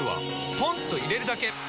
ポンと入れるだけ！